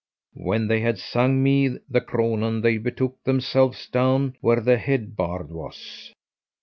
When they had sung me the cronan they betook themselves down where the head bard was.